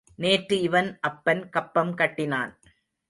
நேற்று இவன் அப்பன் கப்பம் கட்டினான்.